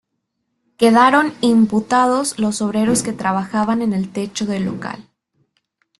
Quedaron imputados los obreros que trabajaban en el techo del local.